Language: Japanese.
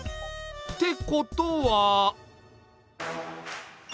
ってことは。